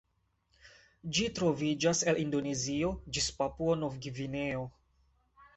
Ĝi troviĝas el Indonezio ĝis Papuo-Nov-Gvineo.